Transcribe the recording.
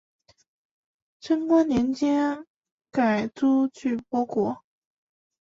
贞观年间改朱俱波国。